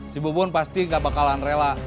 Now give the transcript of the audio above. si bubun pasti gak bakalan rela